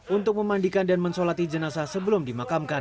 untuk memandikan dan mensolati jenazah sebelum dimakamkan